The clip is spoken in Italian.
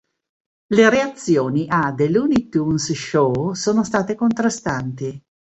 Le reazioni a "The Looney Tunes Show" sono state contrastanti.